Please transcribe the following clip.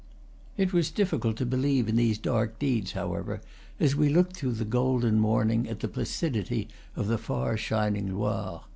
It was difficult to believe in these dark deeds, how ever, as we looked through the golden morning at the placidity of the far shining Loire.